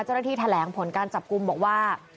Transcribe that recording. เจ้าหน้าที่แถลงผลการจับกลุ่มบอกว่า